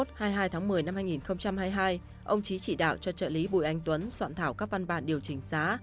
đến ngày hai mươi một hai mươi hai một mươi hai nghìn hai mươi hai ông trí chỉ đạo cho trợ lý bùi anh tuấn soạn thảo các văn bản điều chỉnh giá